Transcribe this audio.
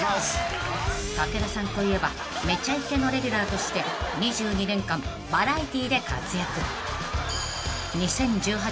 ［武田さんといえば『めちゃイケ』のレギュラーとして２２年間バラエティーで活躍］